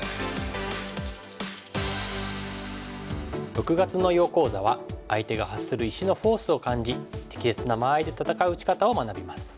６月の囲碁講座は相手が発する石のフォースを感じ適切な間合いで戦う打ち方を学びます。